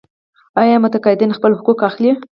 آیا متقاعدین خپل حقوق اخلي؟